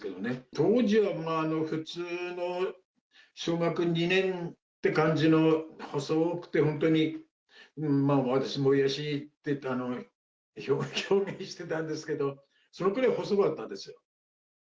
当時は普通の小学２年って感じの細くて、本当に私、もやしって表現してたんですけど、それぐらい細かったですよ。